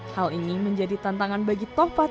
hal ini menjadi tantangan bagi tohfar